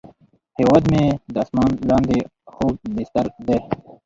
هیواد مې د اسمان لاندې خوږ بستر دی